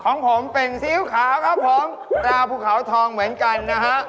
ของผมเป็นซีอิ๊วขาวครับผมตราภูเขาทองเหมือนกันนะฮะ